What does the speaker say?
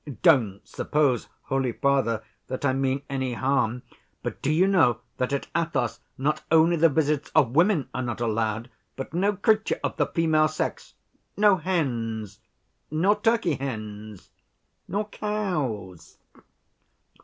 Don't suppose, holy father, that I mean any harm. But do you know that at Athos not only the visits of women are not allowed, but no creature of the female sex—no hens, nor turkey‐hens, nor cows."